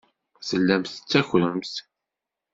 Tellamt tettakremt.